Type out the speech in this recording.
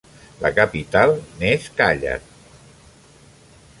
La capital n'és Càller.